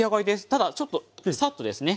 ただちょっとサッとですね